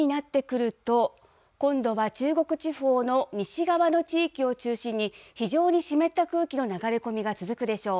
このあと朝になってくると、今度は中国地方の西側の地域を中心に、非常に湿った空気の流れ込みが続くでしょう。